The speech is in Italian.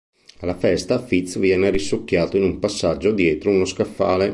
Alla festa, Fitz viene risucchiato in un passaggio dietro uno scaffale.